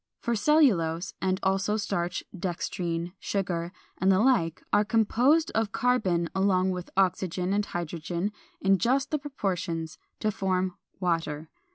For cellulose, and also starch, dextrine, sugar, and the like are composed of carbon along with oxygen and hydrogen in just the proportions to form water.